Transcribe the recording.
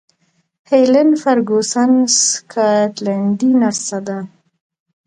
هیلن فرګوسن سکاټلنډۍ نرسه ده.